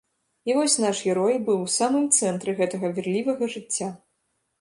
І вось наш герой быў у самым цэнтры гэтага вірлівага жыцця.